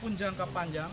dan jangka panjang